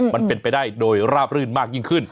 มันเป็นไปได้โดยราบรื่นมากยิ่งขึ้น